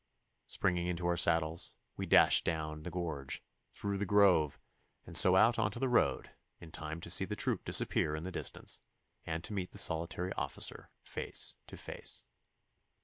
Springing into our saddles we dashed down the gorge, through the grove, and so out on to the road in time to see the troop disappear in the distance, and to meet the solitary officer face to face.